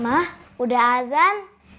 ma udah azan